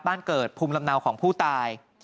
บ้านเกิดภูมิลำเนาของผู้ตาย